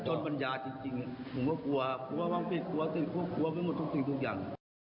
จดปัญญาจริงผมก็กลัวว่าต้องปิดตัวตื่นกลัวไม่มีหมดทุกสิ่งทุกอย่าง